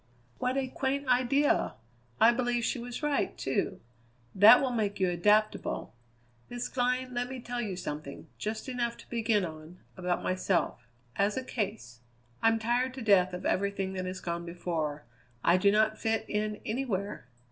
"What a quaint idea! I believe she was right, too. That will make you adaptable. Miss Glynn, let me tell you something, just enough to begin on, about myself as a case. I'm tired to death of everything that has gone before; I do not fit in anywhere.